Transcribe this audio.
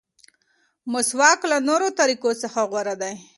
مسواک له نورو طریقو څخه غوره دی.